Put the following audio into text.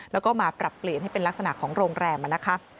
แล้วก็มาปรับเปลี่ยนให้เป็นลักษณะของโรงแรมนะคะ